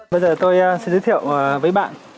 bây giờ tôi sẽ giới thiệu với bạn